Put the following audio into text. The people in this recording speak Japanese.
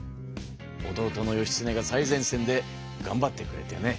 弟の義経が最前線でがんばってくれてね